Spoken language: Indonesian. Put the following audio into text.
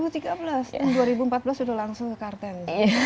tahun dua ribu empat belas sudah langsung kekarten